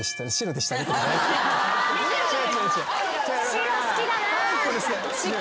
白好きだな。